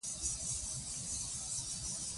ازادي راډیو د اقلیم په اړه پراخ بحثونه جوړ کړي.